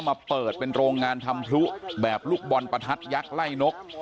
มาเปิดเป็นโรงงานทำพลุแบบลูกบอลประทัดยักษ์ไล่นก